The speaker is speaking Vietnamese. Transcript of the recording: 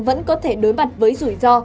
vẫn có thể đối mặt với rủi ro